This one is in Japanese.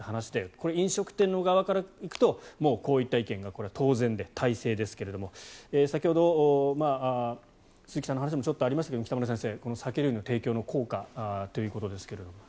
これ、飲食店の側からいくとこういった意見が当然で大勢ですが先ほど鈴木さんの話でもちょっとありましたが北村先生、酒類の提供の効果ということですが。